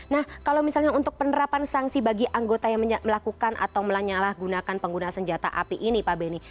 nah kalau misalnya untuk penerapan sanksi bagi anggota yang melakukan atau menyalahgunakan pengguna senjata api ini pak beni